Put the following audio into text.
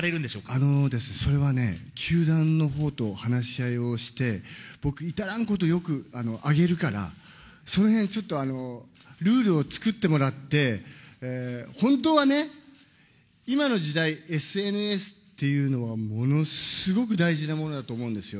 あのです、それはね、球団のほうと話し合いをして、僕、いたらんこと、よく上げるから、そのへん、ちょっとルールを作ってもらって、本当はね、今の時代、ＳＮＳっていうのはものすごく大事なものだと思うんですよ。